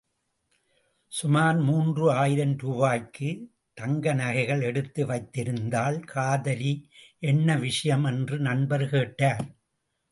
சுமார் மூன்று ஆயிரம் ரூபாய்க்கு தங்க நகைகள் எடுத்து வைத்திருந்தாள் காதலி, என்ன விஷயம் என்று நண்பர் கேட்டார்.